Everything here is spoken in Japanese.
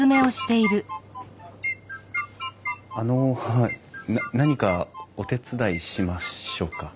あの何かお手伝いしましょうか？